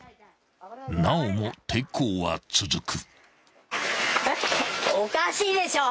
［なおも抵抗は続く］